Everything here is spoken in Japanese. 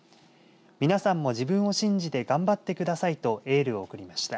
皆さんも自分を信じて頑張ってくださいとエールを送りました。